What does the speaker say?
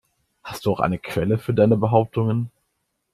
Hast du auch eine Quelle für deine Behauptungen?